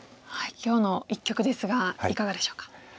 今日の一局ですがいかがでしょうか？